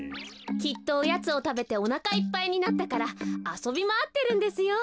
きっとオヤツをたべておなかいっぱいになったからあそびまわってるんですよ。